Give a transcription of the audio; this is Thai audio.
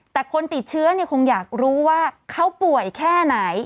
แต่คนติดเชื้อคงอยากรู้ว่าเขาป่วยแค่ไหน